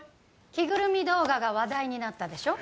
着ぐるみ動画が話題になったでしょ